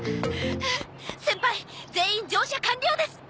先輩全員乗車完了です！